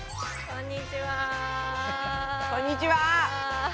こんにちは。